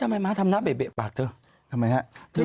ทำไมมาทำหน้าเบะปากเถอะทำไมฮะ